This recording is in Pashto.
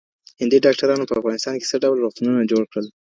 هندي ډاکټرانو په افغانستان کي څه ډول روغتونونه جوړ کړل؟